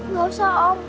gak usah om